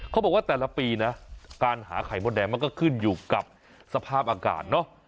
เขาบอกว่าแต่ละปีนะการหาไข่มดแดงมันก็ขึ้นอยู่กับสภาพอากาศเนอะ